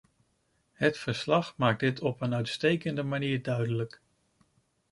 Het verslag maakt dit op een uitstekende manier duidelijk.